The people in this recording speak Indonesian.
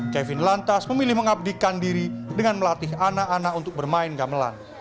kevin lantas memilih mengabdikan diri dengan melatih anak anak untuk bermain gamelan